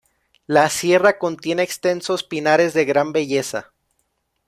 La sierra contiene extensos pinares de gran belleza.